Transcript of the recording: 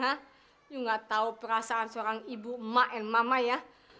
saya nggak tahu perasaan seorang ibu emak dan mama ya